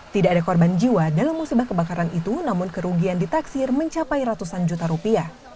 tidak ada korban jiwa dalam musibah kebakaran itu namun kerugian ditaksir mencapai ratusan juta rupiah